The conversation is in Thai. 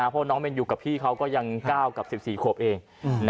เพราะน้องแมนยูกับพี่เขาก็ยัง๙กับ๑๔ขวบเอง